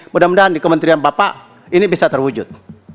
mudah mudahan di kementerian bapak ini bisa terwujud